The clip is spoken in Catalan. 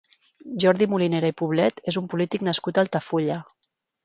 Jordi Molinera i Poblet és un polític nascut a Altafulla.